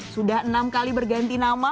sudah enam kali berganti nama